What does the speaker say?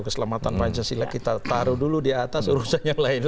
keselamatan pancasila kita taruh dulu di atas urusan yang lain